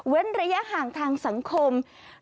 ระยะห่างทางสังคม